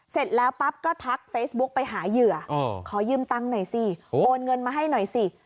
เสร็จแล้วปั๊บก็ทักเฟซบุ๊กไปหาเหยื่อขอยืมตังค์หน่อยสิโอนเงินมาให้หน่อยสิ